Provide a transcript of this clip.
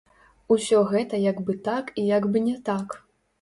Усё гэта як бы так і як бы не так.